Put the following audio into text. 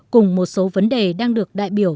cùng một số vấn đề đang được đại biểu